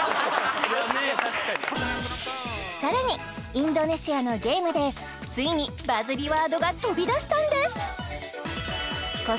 さらにインドネシアのゲームでついにバズりワードが飛び出したんです